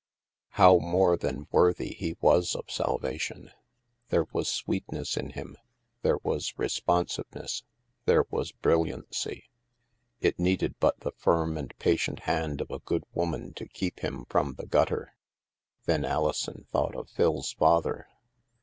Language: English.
How more than worthy he was of salvation! There was sweetness in him, there was responsive ness, there was brilliancy. It needed but the firm and patient hand of a good woman to keep him from the gutter. Then Alisc«i thought of PhiFs father.